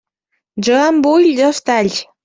Jo en vull dos talls.